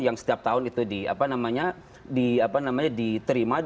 yang setiap tahun itu diterima